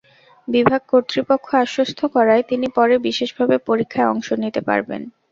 বিভাগ কর্তৃপক্ষ আশ্বস্ত করায় তিনি পরে বিশেষভাবে পরীক্ষায় অংশ নিতে পারবেন।